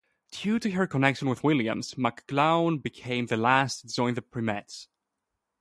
Due to her connection with Williams, McGlown became the last to join the Primettes.